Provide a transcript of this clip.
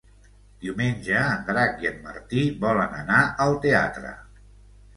Diumenge en Drac i en Martí volen anar al teatre.